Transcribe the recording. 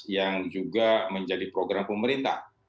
yang juga menjadi program pemerintah